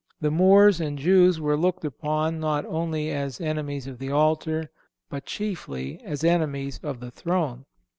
The Moors and Jews were looked upon not only as enemies of the altar, but chiefly as enemies of the throne.